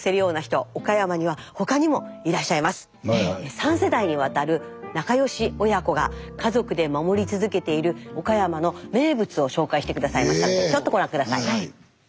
３世代にわたる仲良し親子が家族で守り続けている岡山の名物を紹介して下さいましたのでちょっとご覧下さい。